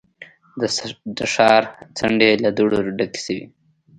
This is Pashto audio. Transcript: د ښار څنډې له دوړو ډکې شوې.